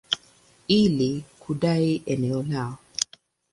ili kudai eneo lao.